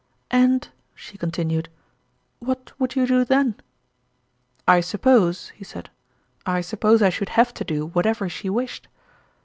" And," she continued, " what would you do then?" " I suppose," he said " I suppose I should have to do whatever she wished."